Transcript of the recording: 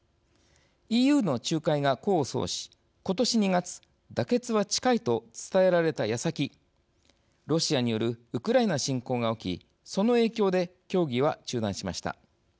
ＥＵの仲介が功を奏し今年２月妥結は近いと伝えられたやさきロシアによるウクライナ侵攻が起きその影響で、協議は中断しました。